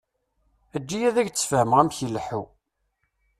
Eǧǧ-iyi ad ak-d-sfehmeɣ amek i ileḥḥu.